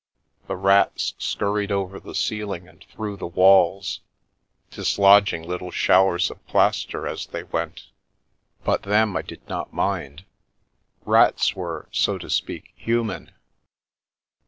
The rats scurried over the ceiling and through the walls, dislodging little showers of plaster as they went, but then I did not mind. Rats o~ The Milky Way were, so to speak, human.